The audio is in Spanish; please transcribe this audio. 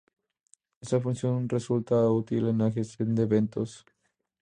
Esta función resulta útil en la gestión de eventos.